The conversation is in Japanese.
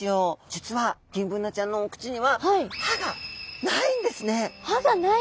実はギンブナちゃんのお口には歯がない。